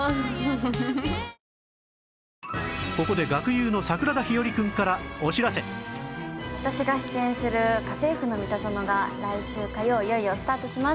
ここで学友の私が出演する『家政夫のミタゾノ』が来週火曜いよいよスタートします。